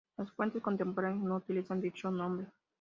Las fuentes contemporáneas no utilizan dicho nombre.